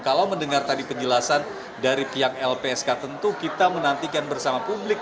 kalau mendengar tadi penjelasan dari pihak lpsk tentu kita menantikan bersama publik